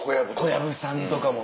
小籔さんとかもそう。